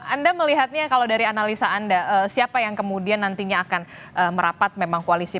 anda melihatnya kalau dari analisa anda siapa yang kemudian nantinya akan merapat memang koalisi